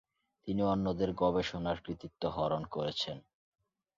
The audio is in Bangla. তিনি অন্যদের গবেষণার কৃতিত্ব হরণ করেছেন।